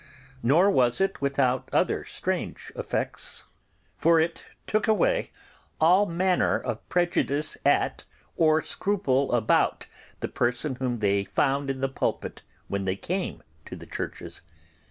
Nor was it without other strange effects, for it took away, all manner of prejudice at or scruple about the person whom they found in the pulpit when they came to the churches.